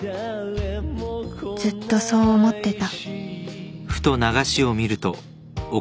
ずっとそう思ってた